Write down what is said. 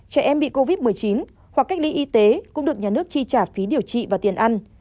trẻ em bị covid một mươi chín hoặc cách ly y tế cũng được nhà nước chi trả phí điều trị và tiền ăn